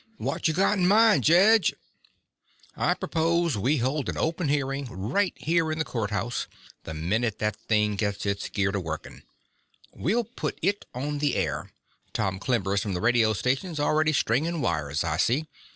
"What you got in mind, Jedge?" "I propose we hold an open hearing right here in the courthouse, the minute that thing gets its gear to working. We'll put it on the air Tom Clembers from the radio station's already stringing wires, I see.